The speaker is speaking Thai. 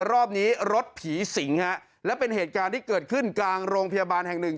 รอบนี้รถผีสิงฮะและเป็นเหตุการณ์ที่เกิดขึ้นกลางโรงพยาบาลแห่งหนึ่ง